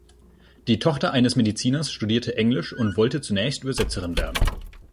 Die Tochter eines Mediziners studierte Englisch und wollte zunächst Übersetzerin werden.